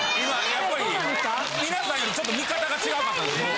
やっぱり皆さんよりちょっと見方が違うかった。